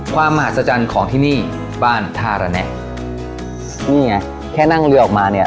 มหาศจรรย์ของที่นี่บ้านท่าระแนะนี่ไงแค่นั่งเรือออกมาเนี่ย